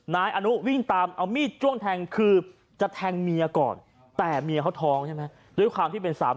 นายอานุวิ่งตามเอามีดจ้วงแทงคือจะแทงเมียก่อน